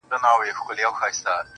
سپوږمۍ ته گوره زه پر بام ولاړه يمه.